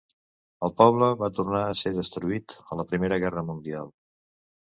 El poble va tornar a ser destruït a la Primera Guerra Mundial.